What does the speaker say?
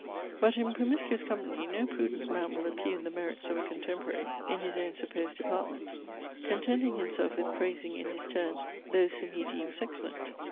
But in promiscuous company no prudent man will oppugn the merits of a contemporary in his own supposed department; contenting himself with praising in his turn those whom he deems excellent.